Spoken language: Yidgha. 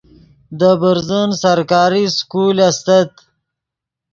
دے برزن سرکاری سکول استت